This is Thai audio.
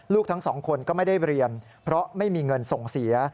ทั้งสองคนก็ไม่ได้เรียนเพราะไม่มีเงินส่งเสีย